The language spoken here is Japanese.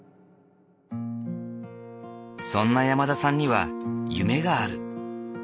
そんな山田さんには夢がある。